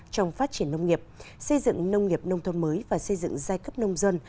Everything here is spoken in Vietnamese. trong phát triển nông nghiệp xây dựng nông nghiệp nông thôn mới và xây dựng giai cấp nông dân